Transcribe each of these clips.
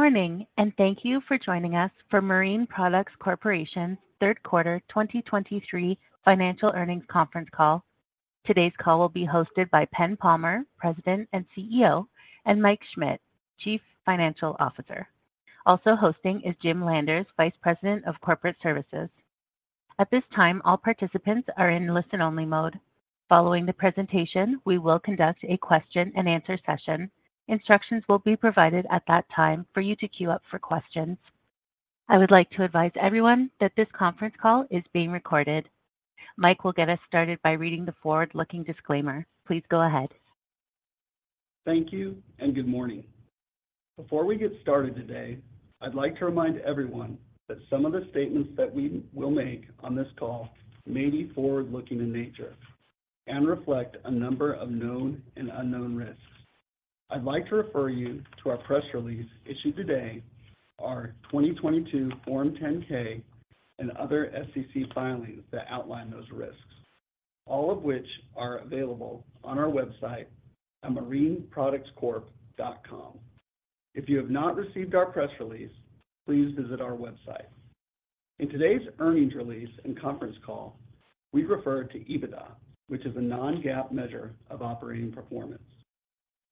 Good morning, and thank you for joining us for Marine Products Corporation's third quarter 2023 financial earnings conference call. Today's call will be hosted by Ben Palmer, President and CEO, and Mike Schmit, Chief Financial Officer. Also hosting is Jim Landers, Vice President of Corporate Services. At this time, all participants are in listen-only mode. Following the presentation, we will conduct a question-and-answer session. Instructions will be provided at that time for you to queue up for questions. I would like to advise everyone that this conference call is being recorded. Mike will get us started by reading the forward-looking disclaimer. Please go ahead. Thank you, and good morning. Before we get started today, I'd like to remind everyone that some of the statements that we will make on this call may be forward-looking in nature and reflect a number of known and unknown risks. I'd like to refer you to our press release issued today, our 2022 Form 10-K, and other SEC filings that outline those risks, all of which are available on our website at marineproductscorp.com. If you have not received our press release, please visit our website. In today's earnings release and conference call, we refer to EBITDA, which is a non-GAAP measure of operating performance.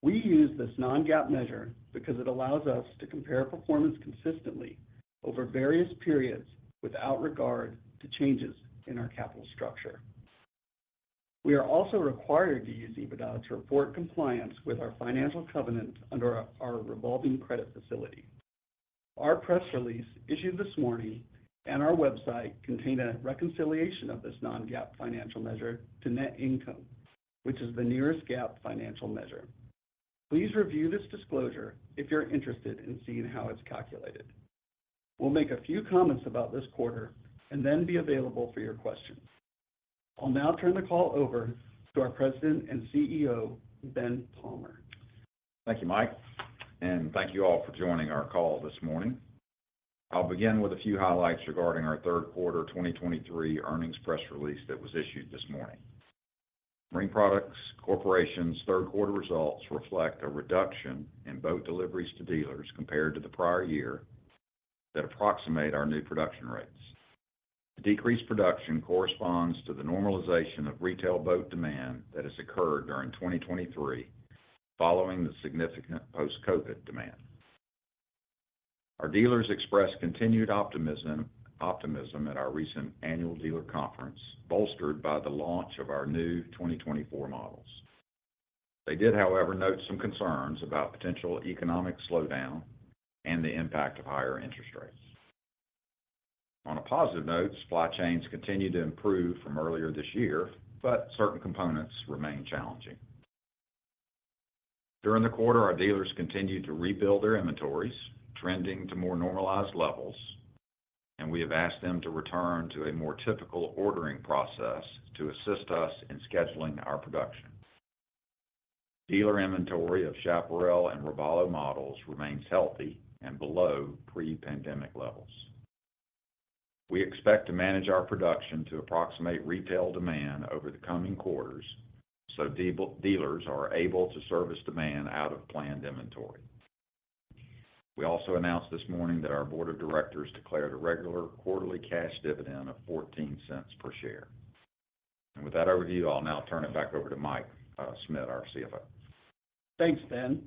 We use this non-GAAP measure because it allows us to compare performance consistently over various periods without regard to changes in our capital structure. We are also required to use EBITDA to report compliance with our financial covenants under our revolving credit facility. Our press release, issued this morning on our website, contained a reconciliation of this non-GAAP financial measure to net income, which is the nearest GAAP financial measure. Please review this disclosure if you're interested in seeing how it's calculated. We'll make a few comments about this quarter and then be available for your questions. I'll now turn the call over to our President and CEO, Ben Palmer. Thank you, Mike, and thank you all for joining our call this morning. I'll begin with a few highlights regarding our third quarter 2023 earnings press release that was issued this morning. Marine Products Corporation's third quarter results reflect a reduction in boat deliveries to dealers compared to the prior year that approximate our new production rates. The decreased production corresponds to the normalization of retail boat demand that has occurred during 2023, following the significant post-COVID demand. Our dealers expressed continued optimism, optimism at our recent annual dealer conference, bolstered by the launch of our new 2024 models. They did, however, note some concerns about potential economic slowdown and the impact of higher interest rates. On a positive note, supply chains continued to improve from earlier this year, but certain components remain challenging. During the quarter, our dealers continued to rebuild their inventories, trending to more normalized levels, and we have asked them to return to a more typical ordering process to assist us in scheduling our production. Dealer inventory of Chaparral and Robalo models remains healthy and below pre-pandemic levels. We expect to manage our production to approximate retail demand over the coming quarters, so dealers are able to service demand out of planned inventory. We also announced this morning that our board of directors declared a regular quarterly cash dividend of $0.14 per share. With that overview, I'll now turn it back over to Mike Schmit, our CFO. Thanks, Ben.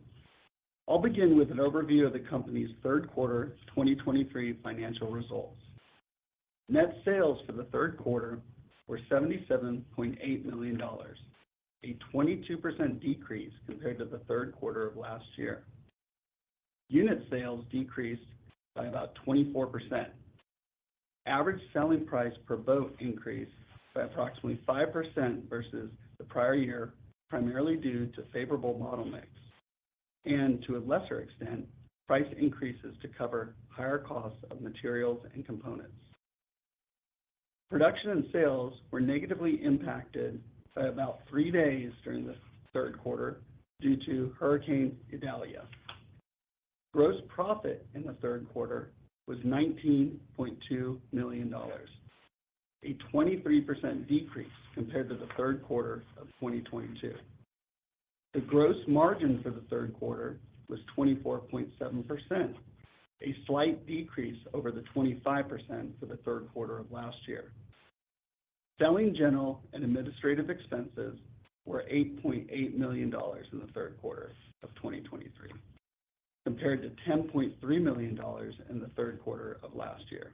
I'll begin with an overview of the company's third quarter 2023 financial results. Net sales for the third quarter were $77.8 million, a 22% decrease compared to the third quarter of last year. Unit sales decreased by about 24%. Average selling price per boat increased by approximately 5% versus the prior year, primarily due to favorable model mix, and to a lesser extent, price increases to cover higher costs of materials and components. Production and sales were negatively impacted by about 3 days during the third quarter due to Hurricane Idalia. Gross profit in the third quarter was $19.2 million, a 23% decrease compared to the third quarter of 2022. The gross margin for the third quarter was 24.7%, a slight decrease over the 25% for the third quarter of last year. Selling, general, and administrative expenses were $8.8 million in the third quarter of 2023, compared to $10.3 million in the third quarter of last year.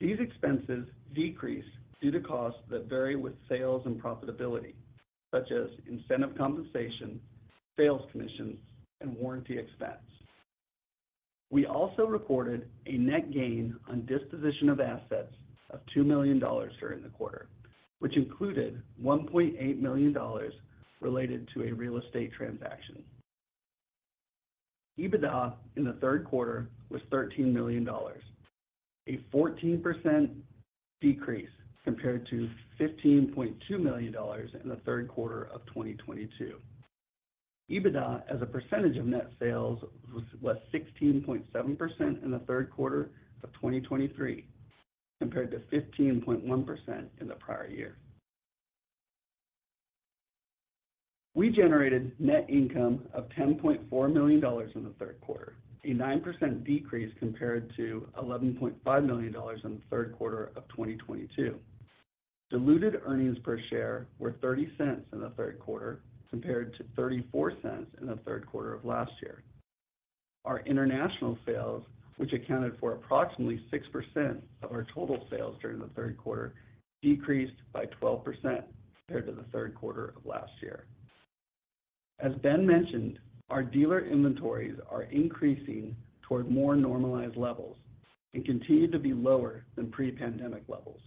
These expenses decreased due to costs that vary with sales and profitability, such as incentive compensation, sales commissions, and warranty expense. We also reported a net gain on disposition of assets of $2 million during the quarter, which included $1.8 million related to a real estate transaction. EBITDA in the third quarter was $13 million, a 14% decrease compared to $15.2 million in the third quarter of 2022. EBITDA as a percentage of net sales was 16.7% in the third quarter of 2023, compared to 15.1% in the prior year.... We generated net income of $10.4 million in the third quarter, a 9% decrease compared to $11.5 million in the third quarter of 2022. Diluted earnings per share were $0.30 in the third quarter, compared to $0.34 in the third quarter of last year. Our international sales, which accounted for approximately 6% of our total sales during the third quarter, decreased by 12% compared to the third quarter of last year. As Ben mentioned, our dealer inventories are increasing toward more normalized levels and continue to be lower than pre-pandemic levels.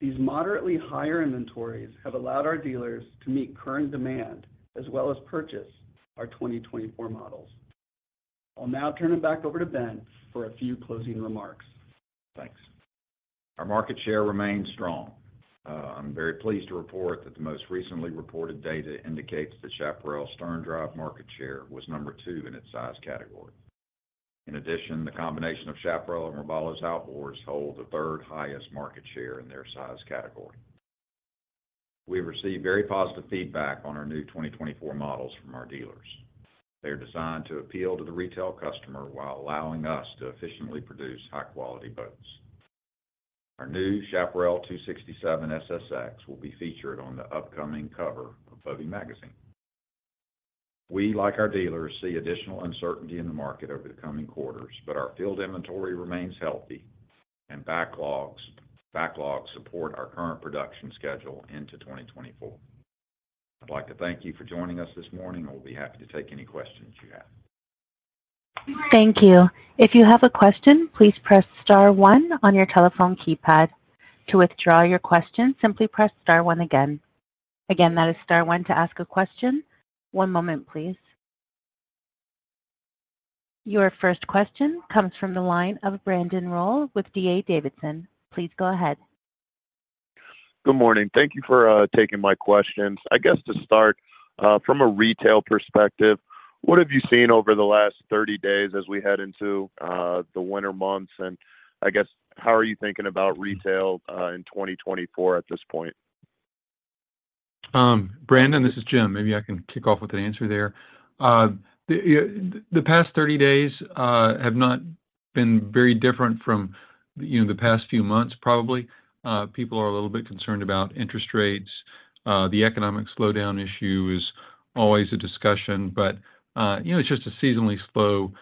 These moderately higher inventories have allowed our dealers to meet current demand, as well as purchase our 2024 models. I'll now turn it back over to Ben for a few closing remarks. Thanks. Our market share remains strong. I'm very pleased to report that the most recently reported data indicates that Chaparral sterndrive market share was number 2 in its size category. In addition, the combination of Chaparral and Robalo's outboards hold the third highest market share in their size category. We've received very positive feedback on our new 2024 models from our dealers. They are designed to appeal to the retail customer while allowing us to efficiently produce high-quality boats. Our new Chaparral 267 SSX will be featured on the upcoming cover of BoatUS Magazine. We, like our dealers, see additional uncertainty in the market over the coming quarters, but our field inventory remains healthy and backlogs, backlogs support our current production schedule into 2024. I'd like to thank you for joining us this morning, and we'll be happy to take any questions you have. Thank you. If you have a question, please press star one on your telephone keypad. To withdraw your question, simply press star one again. Again, that is star one to ask a question. One moment, please. Your first question comes from the line of Brandon Rollé with D.A. Davidson. Please go ahead. Good morning. Thank you for taking my questions. I guess to start, from a retail perspective, what have you seen over the last 30 days as we head into the winter months? And I guess, how are you thinking about retail in 2024 at this point? Brandon, this is Jim. Maybe I can kick off with the answer there. The past 30 days have not been very different from, you know, the past few months, probably. People are a little bit concerned about interest rates. The economic slowdown issue is always a discussion, but, you know, it's just a seasonally slow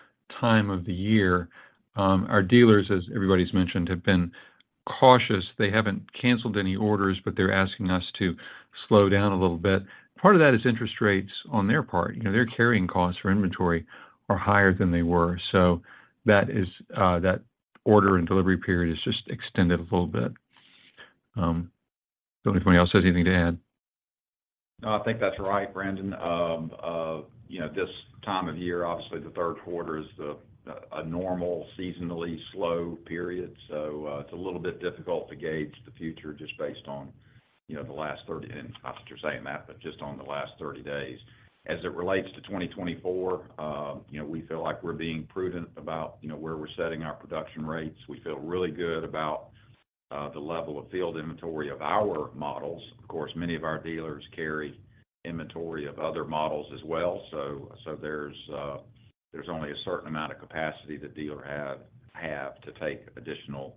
time of the year. Our dealers, as everybody's mentioned, have been cautious. They haven't canceled any orders, but they're asking us to slow down a little bit. Part of that is interest rates on their part. You know, their carrying costs for inventory are higher than they were, so that order and delivery period is just extended a little bit. Don't know if anybody else has anything to add. No, I think that's right, Brandon. You know, this time of year, obviously, the third quarter is a normal seasonally slow period, so it's a little bit difficult to gauge the future just based on, you know, the last 30, and not that you're saying that, but just on the last 30 days. As it relates to 2024, you know, we feel like we're being prudent about, you know, where we're setting our production rates. We feel really good about the level of field inventory of our models. Of course, many of our dealers carry inventory of other models as well. So there's only a certain amount of capacity that dealer have to take additional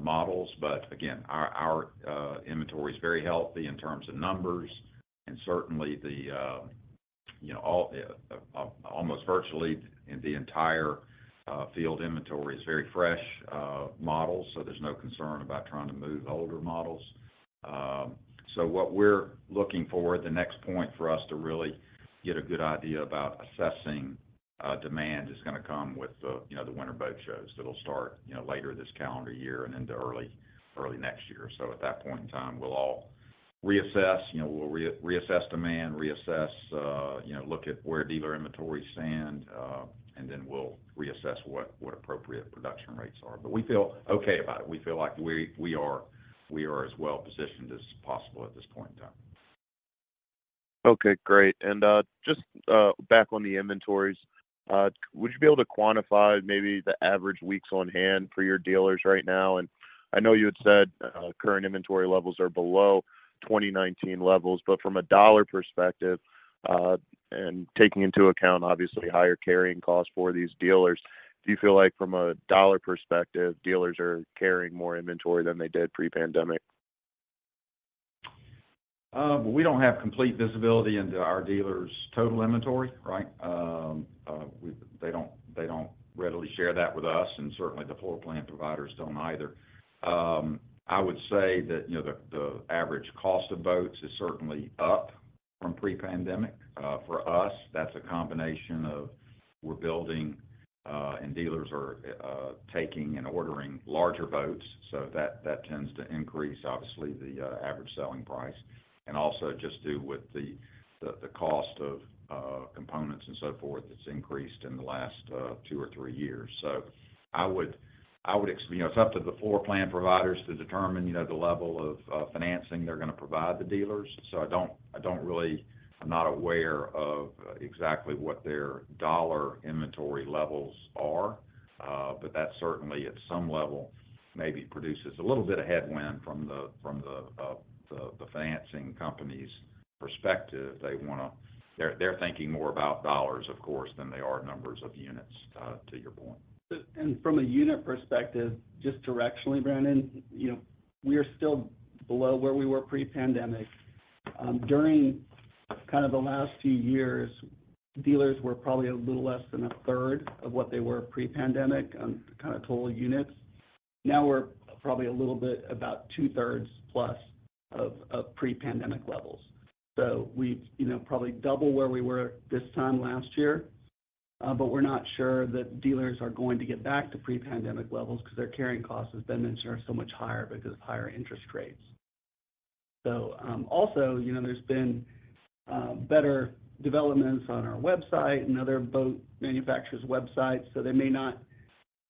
models. But again, our inventory is very healthy in terms of numbers and certainly the you know all almost virtually in the entire field inventory is very fresh models, so there's no concern about trying to move older models. So what we're looking for, the next point for us to really get a good idea about assessing demand is gonna come with the you know the winter boat shows. That'll start you know later this calendar year and into early next year. So at that point in time, we'll all reassess you know we'll reassess demand, reassess you know look at where dealer inventories stand and then we'll reassess what appropriate production rates are. But we feel okay about it. We feel like we are as well-positioned as possible at this point in time. Okay, great. Just, back on the inventories, would you be able to quantify maybe the average weeks on hand for your dealers right now? I know you had said, current inventory levels are below 2019 levels, but from a dollar perspective, and taking into account, obviously, higher carrying costs for these dealers, do you feel like from a dollar perspective, dealers are carrying more inventory than they did pre-pandemic? We don't have complete visibility into our dealers' total inventory, right? They don't readily share that with us, and certainly, the floor plan providers don't either. I would say that, you know, the average cost of boats is certainly up from pre-pandemic. For us, that's a combination of we're building and dealers are taking and ordering larger boats, so that tends to increase, obviously, the average selling price, and also just due with the cost of components and so forth, that's increased in the last two or three years. So I would, you know, it's up to the floor plan providers to determine, you know, the level of financing they're gonna provide the dealers. So I don't really... I'm not aware of exactly what their dollar inventory levels are, but that certainly, at some level, maybe produces a little bit of headwind from the financing company's perspective. They wanna. They're thinking more about dollars, of course, than they are numbers of units, to your point. From a unit perspective, just directionally, Brandon, you know, we are still below where we were pre-pandemic. During kind of the last few years, dealers were probably a little less than a third of what they were pre-pandemic on kind of total units. Now, we're probably a little bit about two-thirds plus of pre-pandemic levels. So we've, you know, probably double where we were this time last year. But we're not sure that dealers are going to get back to pre-pandemic levels because their carrying cost, as Ben mentioned, are so much higher because of higher interest rates. So, also, you know, there's been better developments on our website and other boat manufacturers' websites, so they may not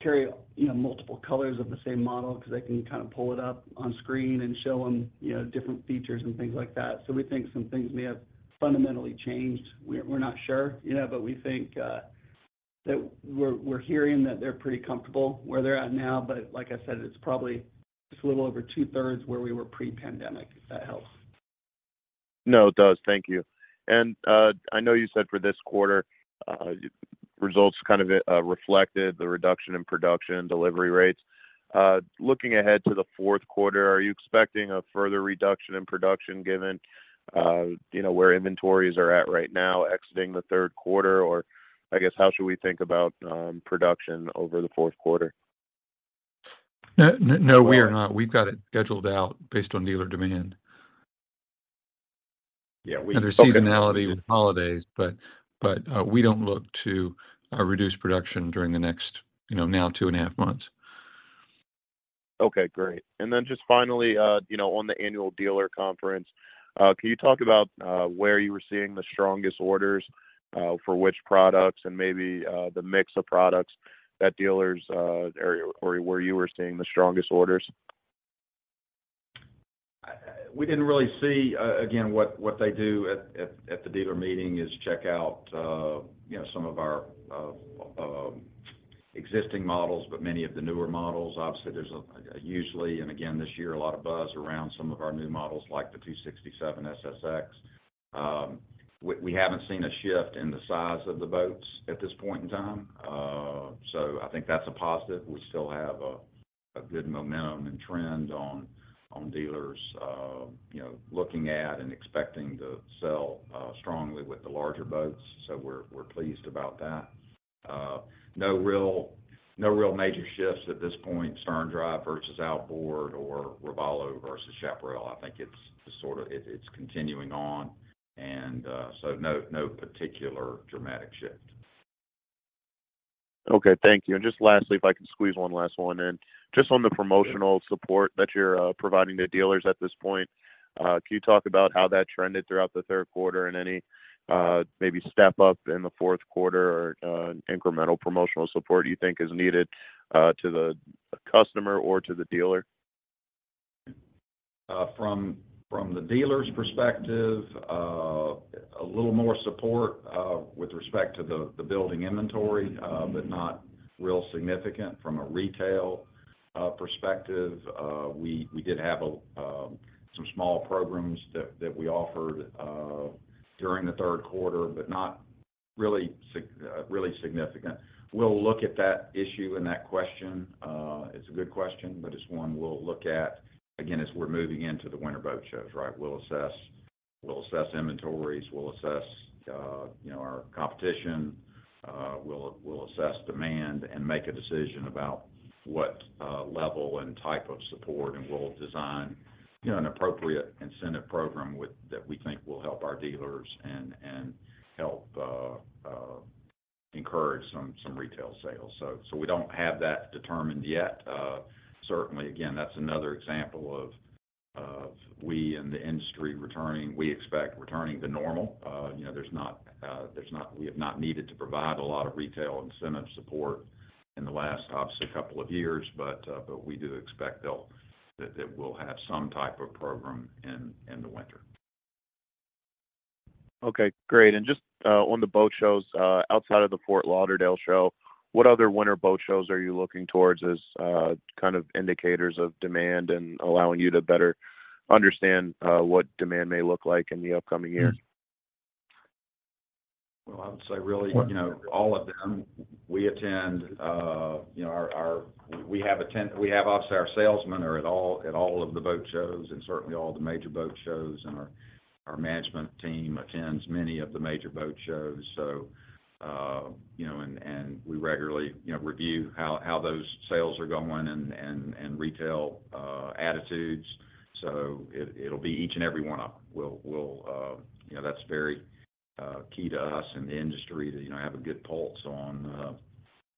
carry, you know, multiple colors of the same model because they can kind of pull it up on screen and show them, you know, different features and things like that. So we think some things may have fundamentally changed. We're not sure, you know, but we think that we're hearing that they're pretty comfortable where they're at now. But like I said, it's probably just a little over two-thirds where we were pre-pandemic, if that helps. No, it does. Thank you. And, I know you said for this quarter, results kind of, reflected the reduction in production and delivery rates. Looking ahead to the fourth quarter, are you expecting a further reduction in production, given, you know, where inventories are at right now exiting the third quarter? Or I guess, how should we think about, production over the fourth quarter? No, no, we are not. We've got it scheduled out based on dealer demand. Yeah, we. There's seasonality with holidays, but we don't look to reduce production during the next, you know, now, two and a half months. Okay, great. And then just finally, you know, on the annual dealer conference, can you talk about where you were seeing the strongest orders for which products and maybe the mix of products that dealers or where you were seeing the strongest orders? We didn't really see. Again, what they do at the dealer meeting is check out, you know, some of our existing models, but many of the newer models. Obviously, there's usually, and again, this year, a lot of buzz around some of our new models, like the 267 SSX. We haven't seen a shift in the size of the boats at this point in time. So I think that's a positive. We still have a good momentum and trend on dealers, you know, looking at and expecting to sell strongly with the larger boats, so we're pleased about that. No real major shifts at this point, sterndrive versus outboard or Robalo versus Chaparral. I think it's just sort of, it's continuing on, and so no, no particular dramatic shift. Okay, thank you. Just lastly, if I can squeeze one last one in. Just on the promotional support that you're providing to dealers at this point, can you talk about how that trended throughout the third quarter and any maybe step up in the fourth quarter or incremental promotional support you think is needed to the customer or to the dealer? From the dealer's perspective, a little more support with respect to the building inventory, but not real significant from a retail perspective. We did have some small programs that we offered during the third quarter, but not really significant. We'll look at that issue and that question. It's a good question, but it's one we'll look at, again, as we're moving into the winter boat shows, right? We'll assess, we'll assess inventories, we'll assess, you know, our competition. We'll assess demand and make a decision about what level and type of support, and we'll design, you know, an appropriate incentive program that we think will help our dealers and help encourage some retail sales. We don't have that determined yet. Certainly, again, that's another example of we and the industry returning, we expect returning to normal. You know, there's not, there's not, we have not needed to provide a lot of retail incentive support in the last, obviously, couple of years, but, but we do expect they'll, that, that we'll have some type of program in, in the winter. Okay, great. And just, on the boat shows, outside of the Fort Lauderdale show, what other winter boat shows are you looking towards as, kind of indicators of demand and allowing you to better understand, what demand may look like in the upcoming year? Well, I would say really, you know, all of them. We attend, you know, our, obviously, our salesmen are at all of the boat shows, and certainly all the major boat shows, and our management team attends many of the major boat shows. So, you know, and we regularly, you know, review how those sales are going and retail attitudes. So it'll be each and every one of them. We'll, you know, that's very key to us and the industry to, you know, have a good pulse on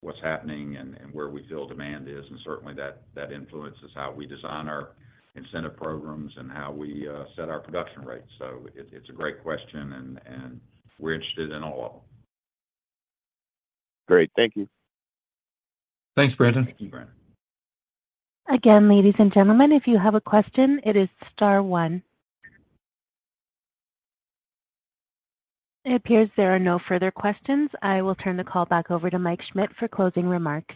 what's happening and where we feel demand is. And certainly, that influences how we design our incentive programs and how we set our production rates. So it's a great question, and we're interested in all. Great. Thank you. Thanks, Brandon. Thank you, Brandon. Again, ladies and gentlemen, if you have a question, it is star one. It appears there are no further questions. I will turn the call back over to Mike Schmit for closing remarks.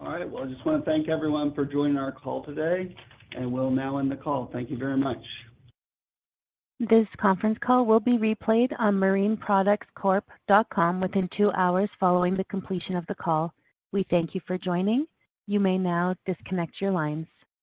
All right. Well, I just want to thank everyone for joining our call today, and we'll now end the call. Thank you very much. This conference call will be replayed on marineproductscorp.com within two hours following the completion of the call. We thank you for joining. You may now disconnect your lines.